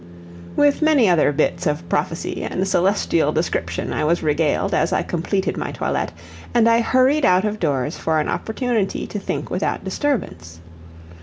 With many other bits of prophecy and celestial description I was regaled as I completed my toilet, and I hurried out of doors for an opportunity to think without disturbance.